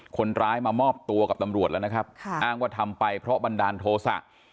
คนร้ายมามอบตัวกับตำรวจแล้วนะครับอ้างว่าทำไปเพราะบันดาลโทษะ